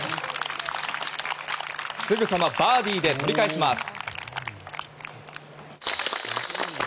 すぐさまバーディーで取り返します。